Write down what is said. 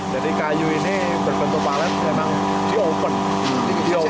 jadi kayu ini berbentuk palet memang di open